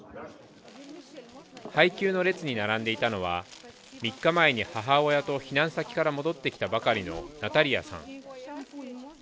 配給の列に並んでいたのは３日前に母親と避難先から戻ってきたばかりのナタリアさん。